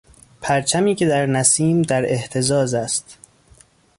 پرچمی که در نسیم در اهتزاز است.